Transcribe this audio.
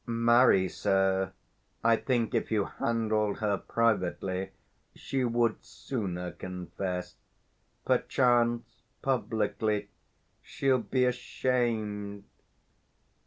_ Marry, sir, I think, if you handled her privately, she would sooner confess: perchance, publicly, she'll be 275 ashamed.